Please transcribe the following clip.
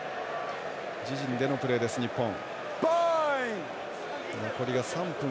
自陣でのプレーです、日本。